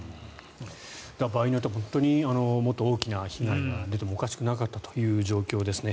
場合によっては本当にもっと大きな被害が出ても、おかしくなかったという状況ですね。